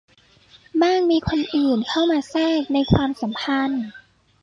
บ้างมีคนอื่นเข้ามาแทรกในความสัมพันธ์